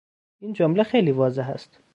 این جمله خیلی واضح است.